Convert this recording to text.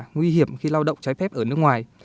nguy hiểm khi lao động trái phép ở nước ngoài